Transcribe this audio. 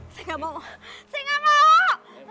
saya gak mau saya gak mau